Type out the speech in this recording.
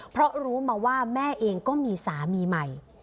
เพราะรู้มาว่าแม่เองก็มีสามีใหม่